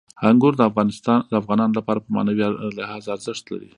انګور د افغانانو لپاره په معنوي لحاظ ارزښت لري.